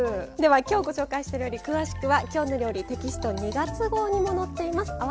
では今日ご紹介した料理詳しくは「きょうの料理」テキスト２月号にも載っています。